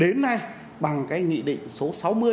đến nay bằng cái nghị định số sáu mươi